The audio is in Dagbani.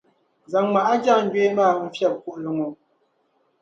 Zaŋmi a jaangbee maa n-fiεbi kuɣili ŋɔ.